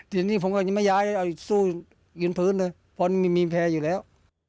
คืนตรีนี้ผมยายไปสู้รีนพื้นเพราะมันมีแพร่อยู่แล้ว